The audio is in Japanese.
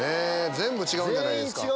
全員違うんじゃないすか。